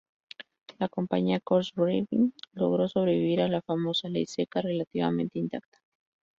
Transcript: La compañía Coors Brewing logró sobrevivir a la famosa "ley seca" relativamente intacta.